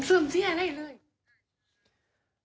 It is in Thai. ซึ่งแกล้เลย